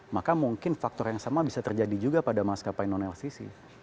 maka mungkin faktor yang sama bisa terjadi juga pada maskapai non lcc